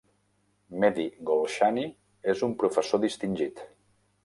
Mehdi Golshani és un professor distingit.